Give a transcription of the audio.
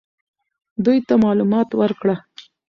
دوی ته معلومات ورکړه.